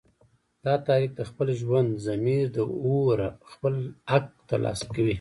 دا تحریک د خپل ژوندي ضمیر د اوره خپل حق تر لاسه کوي